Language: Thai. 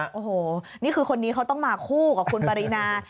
โอ้โหนี่คือคนนี้เขาต้องมาคู่กับคุณปรินา